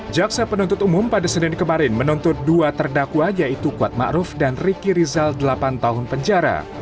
jaksa penuntut umum pada senin kemarin menuntut dua terdakwa yaitu kuat ma'ruf dan ricky rizal delapan tahun penjara